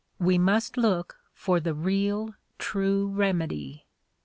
We must look for the real, time remedy.